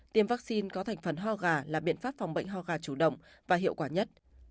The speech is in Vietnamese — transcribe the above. tiêm vaccine có thành phần ho gà là biện pháp phòng bệnh ho gà chủ động và hiệu quả nhất